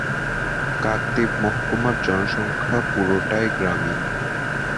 কাকদ্বীপ মহকুমার জনসংখ্যা পুরোটাই গ্রামীণ।